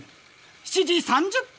７時３０分！